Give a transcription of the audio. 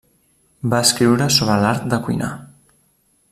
Va escriure sobre l'art de cuinar.